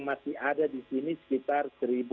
masih ada di sini sekitar